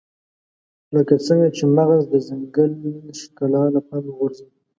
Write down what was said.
لکه څنګه چې مغز د ځنګل ښکلا له پامه غورځوي.